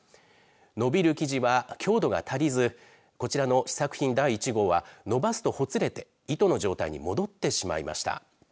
伸びる生地は、強度が足りずこちらの試作品第１号は伸ばすとほつれて糸の状態に戻ってしまいました。